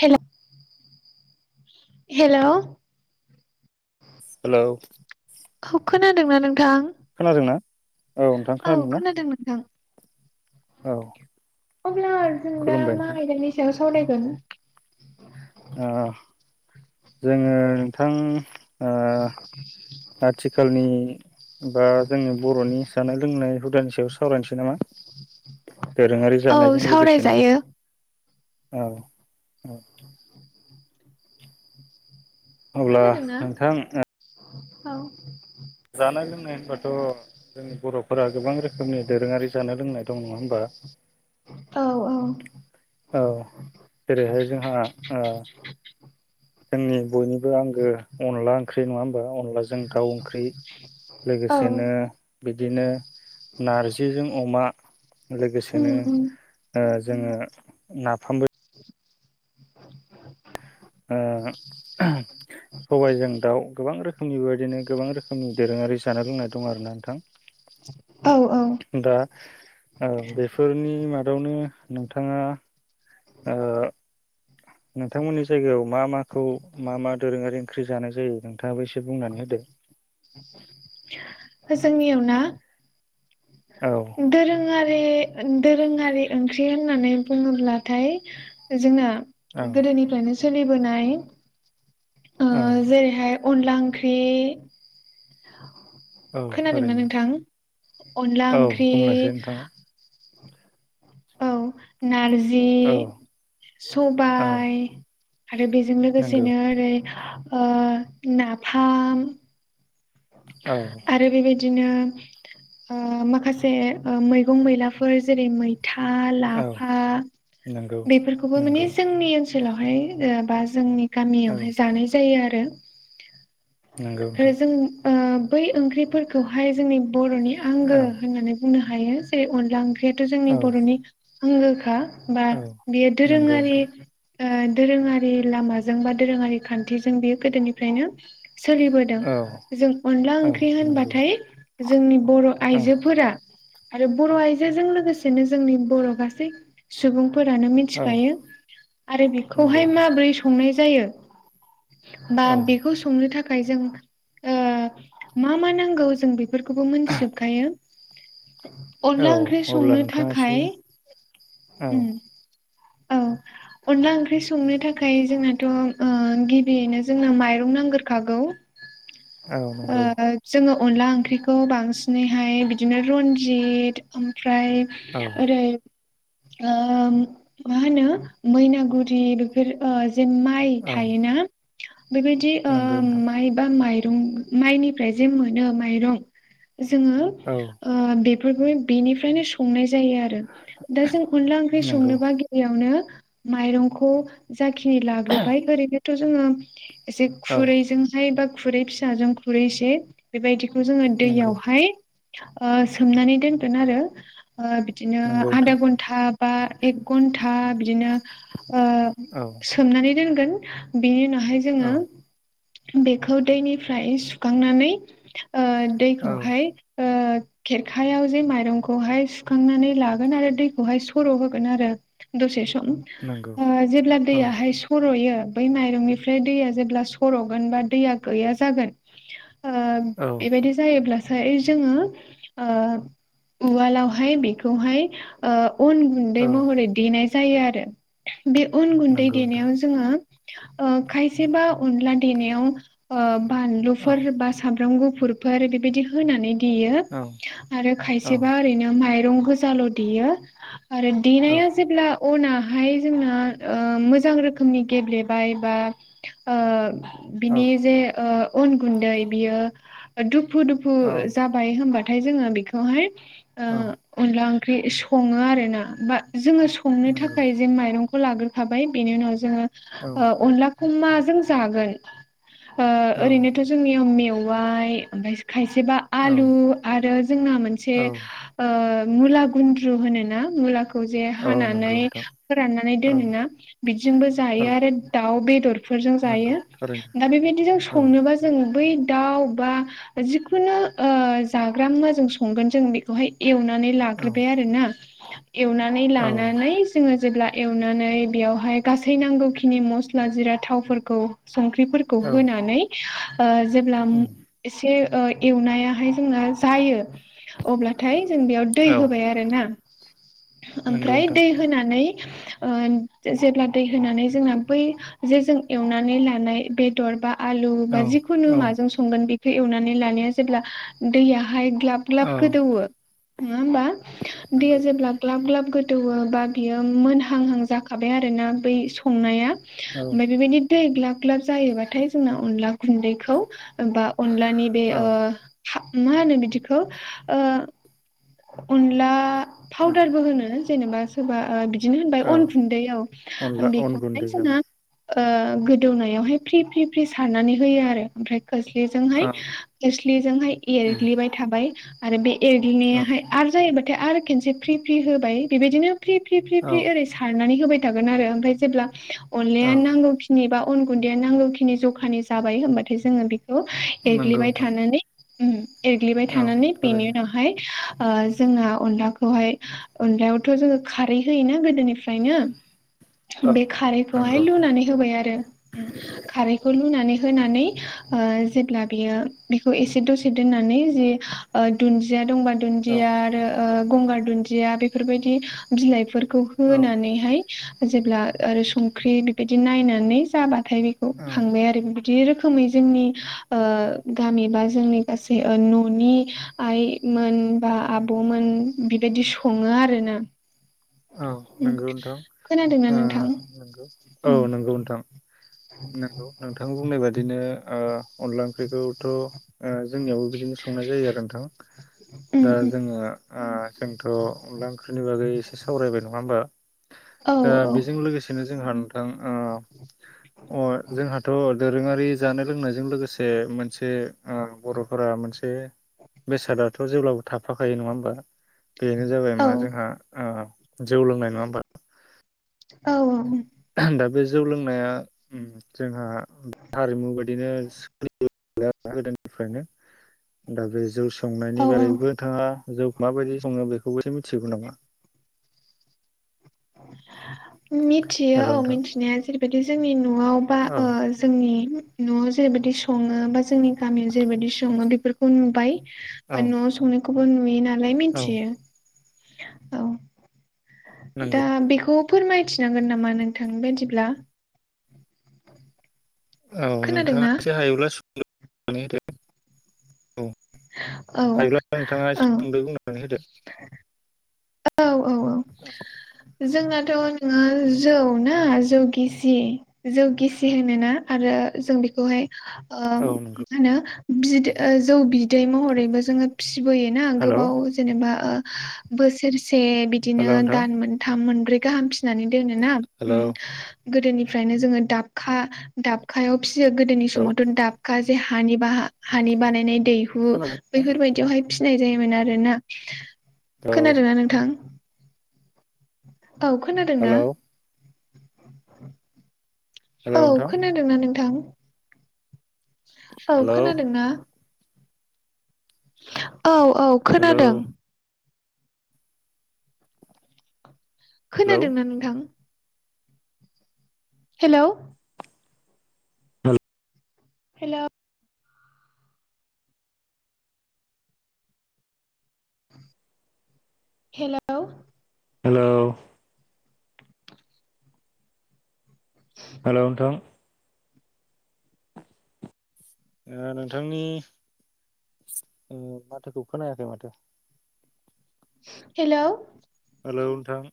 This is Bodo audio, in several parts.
हेल हेल' हेल' हौ खोनादोंना नों खोनादोंना औ नोंथां खोनादों ना औ अब्ला जों दा खुलुमबाय मा नोंथां आयदनि सायाव सावरायगोन ओ जोङो नोंथां ओ [unintelligible] आथिखालनि बा जोंनि बर'नि जानाय लोंनाय हुदानि सायाव सावरायनोसै नामा दोरोङारि औ जानायजों लोगोसेनो सावरायजायो औ औ अब्ला खोनादोंना नोंथां औ जानाय लोंनाय होनबाथ' जोंनि बर'फोरा गोबां रोखोमनि दोरोङारि जानाय लोंनाय दं नङा होमबा औ औ औ जेरैहाय जोंहा ओ जोंनि बयनिबो आंगो अनला ओंख्रि नङा होमबा अनलाजों दाउ ओंख्रि औ लोगोसेनो बिदिनो नारजिजों अमा उम लोगोसेनो उम ओ जोङो नाफामबो ओ [unintelligible] सबायजों दाउ गोबां रोखोमनि बेबायदिनो गोबां रोखोमनि दोरोङारि जानाय लोंनाय दं आरो ना नोंथां [unintelligible] औ दा बेफोरनि औ मा दावनो नोंथाङा ओ नोंथांमोननि जायगायाव मा माखौ मा मा दोरोङारि ओंख्रि जानाय जायो नोंथां आबो एसे बुंनानै होदो। जोंनियाव ना? औ दोरोङारि बे दोरोङारि ओंख्रि होननानै बुङोब्लाथाय जोंना औ गोदोनिफ्रायनो सोलिबोनाय ओ औ जेरैहाय अनला ओंख्रि, औ खोनादोंना थारैनो नोंथां? अनला औ ओंख्रि बुंलायसै नोंथाङा औ नारजि, औ औ सबाय, आरो बेजों नंगौ लोगोसेनो ओरै ओ नाफाम, औ आरो बेबाय दिनो ओ माखासे ओ मैगं मैलाफोर जेरै मै था औ लाफा नंगौ बेफोरखौबो माने नंगौ जोंनि ओन सोलावहाय ओ बा जोंनि औ गामियावहाय जानाय जायो आरो। नंगौ आरो नोंथां जों ओ बै ओंख्रिफोरखौहाय जोंनि बर'नि आंगो औ होननानै बुंनो हायो। जे अनला ओंख्रियाथ' जोंनि औ बर'नि आंगोखा बा औ बेयो नंगौ दोरोङारि नोंथां ओ दोरोङारि लामाजों बा दोरोङारि खान्थिजों बेयो गोदोनिफ्रायनो सोलिबोदों औ जों अनला औ ओंख्रि नंगौ होनबाथाय जोंनि बर' औ आइजोफोरा आरो बर' आइजोजों लोगोसेनो जोंनि बर' गासै सुबुं फोरानो औ मिथिखायो आरो नंगौ बेखौहाय नोंथां माब्रै संनाय जायो? बा औ बेखौ संनो थाखाय जों ओ मा मा नांगौ जों बे फोरखौबो मोनथिजोबखायो। औ अनला ओंख्रि अब्ला संनो नोंथाङा एसे थाखाय औ उम औ। अनला ओंख्रि संनो थाखाय जोंनाथ' ओ गिबियैनो जोंनो माइरं नांगोरखागौ। औ नंगौ ओ जोङो अनला ओंख्रिखौ बांसिनैहाय बिदिनो रनजित ओम फ्राय औ ओरै ओ मा होनो मैनागुरि बेफोर ओ जे माइ औ थायोना? बेबायदि ओ नंगौ नोंथां माइ बा माइरं माइनिफ्राय जे मोनो माइरं जोङो औ ओ बेफोरखौ बेनिफ्रायनो संनाय जायो आरो दा जों अनला ओंख्रि नंगौ संनोबा गिबियावनो माइरंखौ जाखिनि लाग्रोबाय ओरैनोथ' जोङो एसे औ खुरैजोंहाय बा खुरै फिसाजों खुरैसे बेबायदिखौ जोङो नंगौ दैयावहाय ओ सोमनानै दोनगोन आरो ओ बिदिनो नंगौ आधा नोंथां घन्टा बा एक घन्टा बिदिनो ओ औ सोमनानै दोनगोन बिनि उनाव हाय औ जोङो बेखौ दैनिफ्राय सुखांनानै ओ औ दैखौहाय ओ खेरखायाव जे माइरंखौहाय सुखांनानै लागोन आरो दैखौहाय सर' होगोन आरो। दसे सम नंगौ ओ जेब्ला औ दैयाहाय सर'यो बै माइरंनिफ्राय दैया जेब्ला सर'गोन बा दैया गैया जागोन ओ औ बेबायदि जायोब्ला थाय जोङो ओ उवालावहाय बेखौहाय ओ अन गुन्दै औ महरै देनाय जायो आरो बे अन गुन्दै नंगौ नोंथां देनायाव जोङो ओ खायसेबा अनला देनायाव ओ औ बानलुफोर होबा सा मब्राम गुफुरफोर बेबायदि होनानै देयो औ आरो औ खायसेबा ओरैनो माइ रं गोजाल' देयो। आरो औ देनाया जेब्ला अनाहाय जोंना ओ मोजां रोखोमनि गेब्लेबाय बा ओ औ बिनि जे ओ अन गुन्दै बियो दुफु दुफु औ जाबाय होनबा थाय जोङो बेखौहाय औ ओ अनला ओंख्रि सङो आरो ना बा जोङो संनो नंगौ थाखाय जे माइरंखौ लाग्रोखाबाय बेनि उनाव जोङो औ ओ अनला खो माजों जागोन ओ औ औ ओरैनोथ' जोंनियाव मेवाइ ओमफाय खायसेबा आलु औ आरो जोंना मोनसे औ ओ मुला गुन्द्रु होनो ना मुला खौ जे हानानै नंगौ नोंथां फोराननानै औ दोनोना बेजोंबो औ जायो आरो दाउ बे [unintelligible] नंगौ जायो थारैनो दा बेबायदिजों औ संनोबा जों बै दाउ बा जिखुनु ओ जाग्रा मुवा जों संगोन जों बेखौहाय एवनानै औ लाग्रोबाय आरोना एवनानै औ लानानै जोङो जेब्ला एवनानै बेयावहाय गासै नांगौखिनि मस्ला जिरा थावफोरखौ संख्रिफोरखौ औ होनानै ओ जेब्ला उम एसे ओ एवनायाहाय जोंना जायो अब्लाथाय जों बेयाव दै औ होबाय आरोना नंगौ ओमफ्राय नोंथां दै होनानै ओ जेब्ला दै होनानै जोंना बै जे जों एवनानै लानाय बेदार बा आलु औ बा जिखुनु औ माजों संगोन बेखौ एवनानै लानाया जेब्ला दैया हाय ग्लाब औ ग्लाब गोदौवो नङा ओमबा दैया नंगौ जे ग्लाब गोदौवो बा बियो मोनहांहां जाखाबाय आरोना बै संनाया औ ओमफाय बेबायदि दै ग्लाब ग्लाब जायोबाथाय जोंना अनला गुन्दैखौ बा अनलानि बे ओ मा होनो बिदिखौ ओ अनला पाउदारबो होनो जेनेबा सोरबा [unintelligible] दिनो होनबाय औ अन गुन्दैआव अनला अन बेखौहाय गुन्दै औ जोंहा ओ गोदौनायावहाय फ्रि फ्रि फ्रि सारनानै होयो आरो ओमफ्राय खोस्लिजोंहाय औ खोस्लिजोंहाय उम एरग्लिबाय थाबाय आरो बे औ एरग्लिनायाहाय आरो जायोबाथाय आरो खेनसे फ्रि फ्रि होबाय बेबायदिनो फ्रि फ्रि फ्रि औ फ्रि ओरै सारनानै होबाय थागोन आरो ओमफ्राय जेब्ला औ अनलायानो नांगौखिनि बा अन गुन्दैया नांगौखिनि जखानि जाबाय होमबाथाय जोङो बेखौ नंगौ एरग्लिबाय नोंथां थानानै एरग्लिबाय औ थानानै बेनि थारैनो उनावहाय अ जोंहा अनला खौहाय अनलायावथ' जोङो खारै होयोना गोदोनिफ्रायनो औ बे खारैखौहाय नंगौ लुनानै होबाय आरो खारैखौ लुनानै होनानै ओ जेब्ला बेयो बेखौ एसे दसे दोननानै जे अ [unintelligible] दंबा औ दुन्दिया आरो ओ गंगार दुदिया बेफोरबायदि बिलाइफोर खौ औ होनानैहाय जेब्ला ओरै संख्रि बेबायदि नायनानै जाबा थाय बेखौ औ खांबाय आरो बिदि रोखोमै जोंनि ओ गामि बा जोंनि गासै न'नि आइमोन बा आब'मोन बिबायदि सङो आरो ना औ नोंगौ नोंथां खोनादोंना नोंथां नंगौ औ उम नोंगौ नोंथां नंगौ नोंथां बुंनाय बादिनो ओ अनला ओंख्रिखौथ' ओ जोंनियावबो बिदिनो संनाय जायो आरो नोंथां। उम दा उम जोङो ओ जोंथ' अनला ओंख्रिनि बागै सावरायबाय नङा होमबा औ औ दा बेजों लोगोसेनो जोंहा नोंथां ओ अ जोंहाथ' दोरोङारि जानाय लोंनायजों लोगोसे मोनसे ओ बर'फोरा मोनसे बेसादाथ' जेब्लाबो थाफाखायो नङा होमबा? बेनो जाबाय मा जोंहा ओ जौ लोंनाय नङा होमबा? औ औ दा बे जौ लोंनाया जोंहा हारिमु बायदिनो सोलियो गोदोनिफ्रायनो दा बे जौ औ संनायनि बारैबो नोंथाङा जौ माबायदि सङो बेखौबो एसे मिथिगौ नामा? [inaudible] मिथियो हेल' औ नोंथां मिथिनाया जेरैबायदि जोंनि न'आव बा औ ओ जोंनि न'आव जेरैबायदि सङो बा जोंनि गामियाव जेरैबायदि सङो बेफोरखौ नुबाय। औ बा न'आव संनायखौबो नुयो नालाय औ मिथियो औ। नांगौ दा बेखौ फोरमायथिनांगोन नामा नोंथांनि बायदिब्ला? औ नोंथाङा खोनादोंना एसे हायोब्लानानै होदो। औ औ थायोब्ला नोंथाङा एसे औ सुंदो बुंनानै होदो। औ औ जोंनाथ' नोङो जौ ना जौ गिसि जौ गिसि होनोना आरो जों बेखौहाय ओ‌ औ मा नंगौ होनो बिदै जौ बिदै महरैबो जोङो फि सिबोयोना हेलौ गोबाव जेनेबा बोसोरसे बिदिनो हेलौ नोंथां दान मोनसे। मोनब्रै गाहाम फिनानै दोनो ना। हेलौ गोदोनिफ्रायनो जोङो दाबखा दाबखायाव फिसियो गोदोनि हेलौ समावथ' दाब गाजै हानि बाहा हानि बानायनाय दैहु खोनादोंना बैफोरबायायदियावहाय फिसिनाय जायोमोन आरोना औ खोनादों ना नोंथां? औ खोनादोंना? हेलौ हेलौ औ नोंथां खोनादोंना नोंथां? औ हेलौ खोनादोंना? औ औ हेलौ खोनादों। हेलौ खोनादोंना नोंथां? हेल' हेल' हेल' हेल' हेलौ नोंथां। ओ नोंथांनि माथोखौ खोनायाखै माथो हेल' हेलौ नोंथां।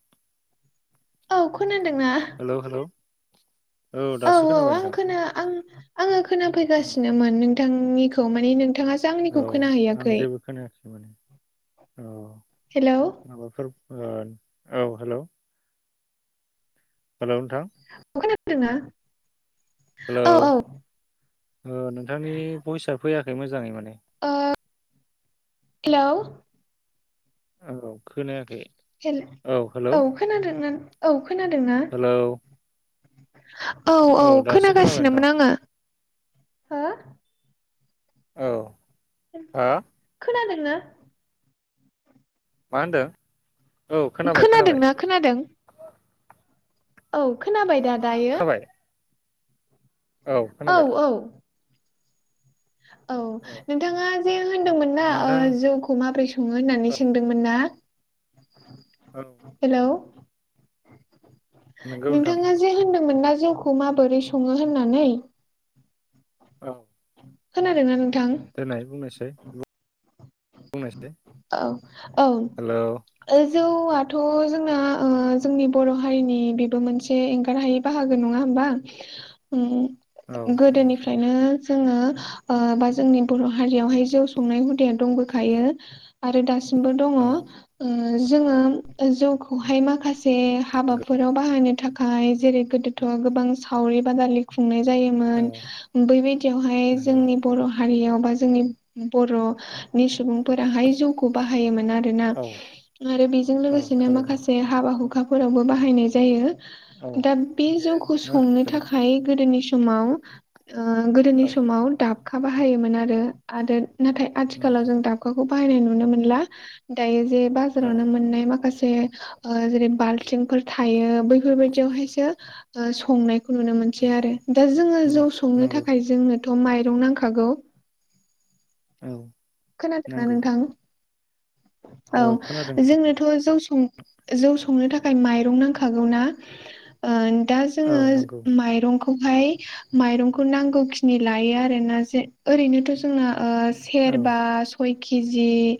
औ खोना हेल' हेल' औ औ आं खोना आं आङो खोनाफैगासिनोमोन नों नोंथांनिखौ माने नोंथाङासो औ आंनिखौ खोना आं हैैयाखै। जेबो खोनायाखै औ हेलौ माबाफोर औ हेल' हेल' नोंथां औ हेलौ औ ओ नोंथांनि बयसआ फैयाखै मोजाङै माने। ओ हेल' औ खोनायाखै। हेल औ खोनादों औ खोनादोंना? हेलौ औ औ दासो खोनाबाय नोंथां खोनागासिनोमोन आङो हो औ हा खोनादोंना? मा होनदों औ खोनाबाय खोनाबाय। खोनादोंना खोनादों औ खोनाबाय दा दायो? खोनाबाय औ खोनाबाय। औ नोंथाङा जे होनदोंमोन ना नोंथां ओ जौखौ माबोरै सङो औ होननानै सोंदोंमोन ना? औ हेल' नंगौ नोंथां नोंथाङा जे होनदोंमोन ना जौखौ माबोरै सङो होननानै? औ खोनादों नों देनाय बुंनायसाय बुंनायसाय औ औ हेलौ ओ जौआथ' जोंना ओ जोंनि बर' हारिनि बेबो मोनसे एंगारहायै बाहागो नङा होम बा औ उम नंगौ गोदोनिफ्रायनो जोङो ओ बा जोंनि बर' हारियावहाय जौ संनाय हु दाया दंबोखायो आरो दासिमबो दङ' औ ओ जोङो जौखौहाय माखासे नंगौ हाबाफोराव बाहायनो थाख खाय जेरै गोदोथ' गोबां सावरि बादालि खुंनाय औ जायोमोन बैबायदियावहाय नंगौ जोंनि बर' हारियाव बा जोंनि बर' नि सुबुंफोराहाय जौखौ बाहायोमोन आरोना औ आरो बेजों औ लोगोसेनो थारैनो माखासे हाबा हुखा फोरावबो बाहनाय जायो औ दा बे जौखौ संनो थाखाय गोदोनि स माव ओ गोदोनि औ समाव दाबखा बाहायोमोन आरो आरो नाथाय थिखालाव नंगौ जों दाबखाखौ बाहायनाय नुनो मोनला दायो जे औ बाजारावनो मोननाय माखासे जे‌ ओ जेरै ओ बालथिंफोर थायो बैफोरबायदियावहायसो संनाय खौ नुनो मोनसै आरो दा जोङो जौ संनो नंगौ थाखाय जोंनो थ' माइरं नांखागौ औ खोनादोंना नंगौ नोंथां औ जोंनोथ' जौ [unintelligible] जौ संनो थाखाय माइरं नांखागौ ना ओ दा औ जोङो नंगौ माइरं खौहाय माइरंखौ नांगौखिनि लायो आरोना जे ओरैनोथ' जोंनो ओ औ बा सय केजि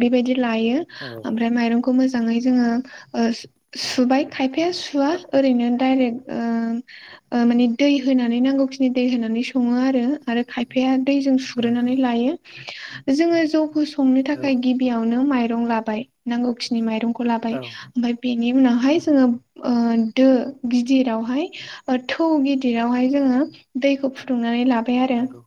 बेबादि लायो औ आमफ्राय मायरंखौ मोज जाङै जाङो ओ सु-सुबाय खायफाया सुवा ओरैनो डाइरेक्ट ओ ओ माने दै होनानै नांगौखिनि दै होनानै सङो आरो आरो खायफाया दै जों सुग्रोननानै नंगौ लायो जोङो जौखौ संनो औ थाखाय गिबियाव नो मायरं लाबाय नांगौखिनि मायरंखौ लाबाय औ ओमफाय बेनि उनावहाय जोङो ओ दो गिदिरावहाय ओ थौ गिदिरावहाय जों [unintelligible] दैखौ फुदुंनानै लाबाय आरो नंगौ